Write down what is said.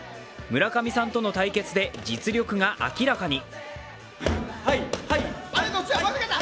村上さんとの対決で実力が明らかに。